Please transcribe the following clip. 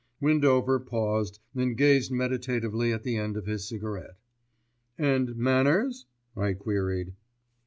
Windover paused and gazed meditatively at the end of his cigarette. "And manners?" I queried.